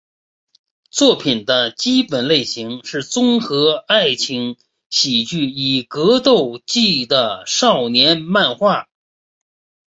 作品的基本类型是综合了爱情喜剧与格斗技的少年漫画。